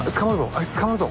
あいつ捕まるぞ。